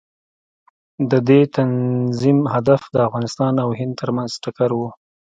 د دې تنظیم هدف د افغانستان او هند ترمنځ ټکر و.